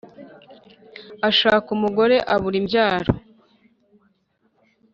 ashaka umugore abura imbyaro